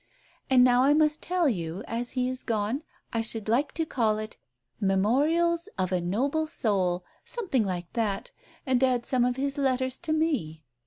And now I must tell you, as he is gone, I should like to call it Memorials of a Noble Soul, something like that, and add some of his letters to me.